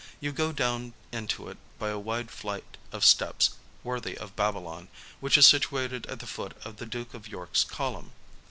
You go down into it by a wide flight of steps, worthy of Babylon, which is situated at the foot of the Duke of York's Column.